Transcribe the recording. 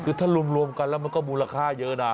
คือถ้ารวมกันแล้วมันก็มูลค่าเยอะนะ